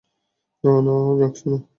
না, রাখছ না!